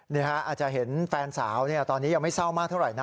อาจจะเห็นแฟนสาวตอนนี้ยังไม่เศร้ามากเท่าไหร่นะ